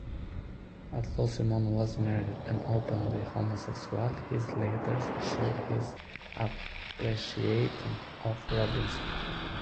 Although Symonds was married and openly homosexual, his letters show his appreciation of Robinson.